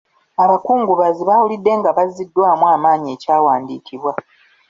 Abakungubazi baawulidde nga bazziddwamu amaanyi ekyawandiikibwa.